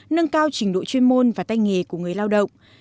nâng cao trình độ chuyên môn và tay nghề của người lao động